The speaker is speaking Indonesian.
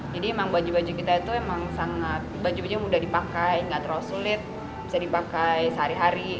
jadi emang baju baju kita itu emang sangat baju baju mudah dipakai gak terlalu sulit bisa dipakai sehari hari